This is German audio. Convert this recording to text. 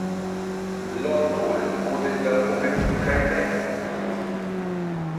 Lon Nol wurde in der Provinz Prey Veng geboren.